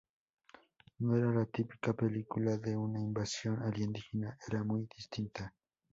No era la típica película de una invasión alienígena, era muy distinta.